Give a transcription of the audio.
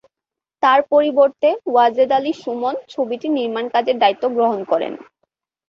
তার পরিবর্তে ওয়াজেদ আলী সুমন ছবিটির নির্মাণ কাজের দায়িত্ব গ্রহণ করেন।